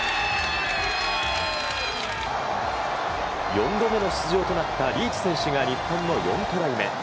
４度目の出場となったリーチ選手が日本の４トライ目。